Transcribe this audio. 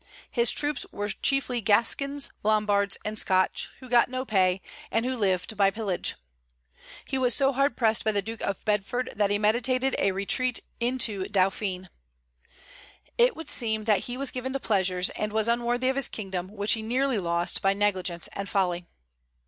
His troops were chiefly Gascons, Lombards, and Scotch, who got no pay, and who lived by pillage. He was so hard pressed by the Duke of Bedford that he meditated a retreat into Dauphiné. It would seem that he was given to pleasures, and was unworthy of his kingdom, which he nearly lost by negligence and folly.